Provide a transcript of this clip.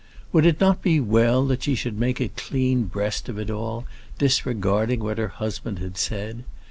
Would it not be well that she should make a clean breast of it all, disregarding what her husband had said?